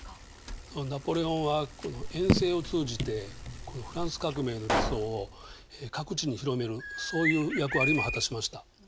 ナポレオンは遠征を通じてフランス革命の理想を各地に広めるそういう役割も果たしました。